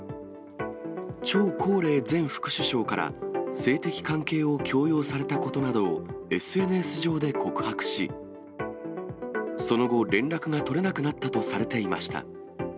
張高麗前副首相から性的関係を強要されたことなどをＳＮＳ上で告白し、その後、連絡が取れなくなったとされていました。